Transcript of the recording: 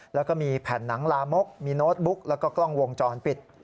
แล้วก็มีแผ่นหนังลามกมีโน้ตบุ๊กแล้วก็กล้องวงจรปิด